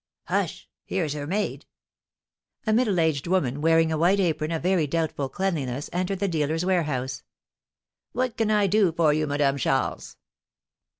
"Hush! Here's her maid." A middle aged woman, wearing a white apron of very doubtful cleanliness, entered the dealer's warehouse. "What can I do for you, Madame Charles?"